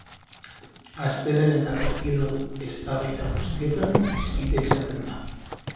Astelehenetako kirol-eztabaida guztietan hizpide izaten da.